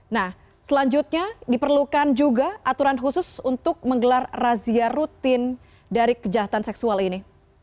nah selanjutnya diperlukan juga aturan khusus untuk menggelar razia rutin dari kejahatan seksual ini